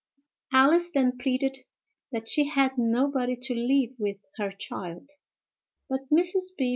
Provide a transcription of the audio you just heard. Alice then pleaded that she had nobody to leave with her child; but Mrs. B.